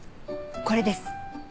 これです！